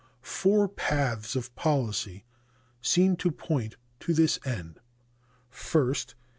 Four paths of policy seem to point to this end: First.